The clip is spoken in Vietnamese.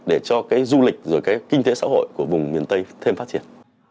để cho du lịch và kinh tế xã hội của vùng miền tây thêm phát triển